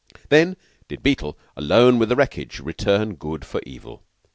Then did Beetle, alone with the wreckage, return good for evil.